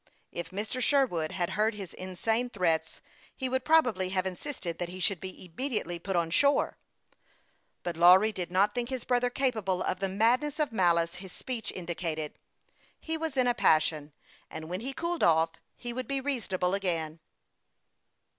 If Mr. Sherwood had heard his insane threats, THE YOUNG PILOT OF LAKE CHAMPLAIN. 275 he would probably have insisted that he should be immediately put on shore ; but Lawry did not think his brother capable of the madness of malice his speech indicated ; he was in a passion, and when he cooled off he would be reasonable again.